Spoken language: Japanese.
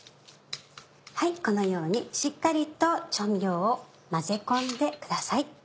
はいこのようにしっかりと調味料を混ぜ込んでください。